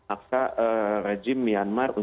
aksa rejim myanmar untuk memilih asean